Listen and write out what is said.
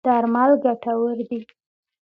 درمل ګټور دی.